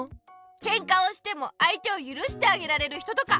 ケンカをしてもあいてをゆるしてあげられる人とか。